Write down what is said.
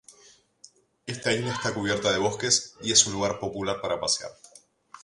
Esta isla está cubierta de bosques y es un lugar popular para pasear.